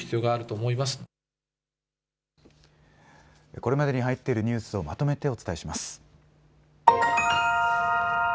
これまでに入っているニュースをまとめてお伝えします。